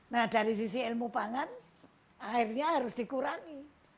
nah dari sisi ilmu pangan akhirnya harus dikurangi